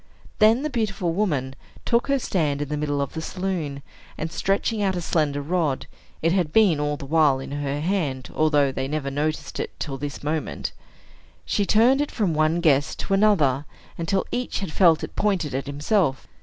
Then the beautiful woman took her stand in the middle of the saloon, and stretching out a slender rod (it had been all the while in her hand, although they never noticed it till this moment), she turned it from one guest to another, until each had felt it pointed at himself.